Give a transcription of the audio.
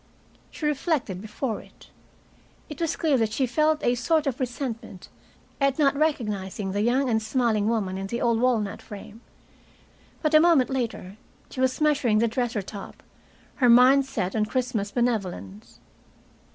She reflected before it. It was clear that she felt a sort of resentment at not recognizing the young and smiling woman in the old walnut frame, but a moment later she was measuring the dresser top, her mind set on Christmas benevolence.